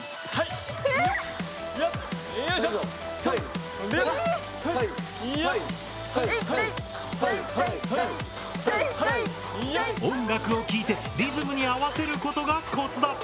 えっ⁉音楽をきいてリズムに合わせることがコツだ。